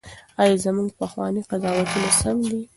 ایا زموږ پخواني قضاوتونه سم دي؟